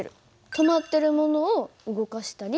止まってるものを動かしたり。